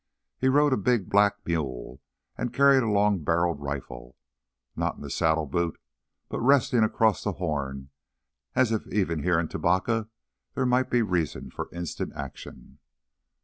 He rode a big black mule and carried a long barreled rifle, not in the saddle boot, but resting across the horn as if even here in Tubacca there might be reason for instant action.